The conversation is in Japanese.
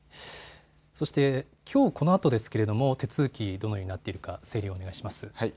そして、きょうこのあとですけれども、手続き、どのようになっているか整理をお願いします。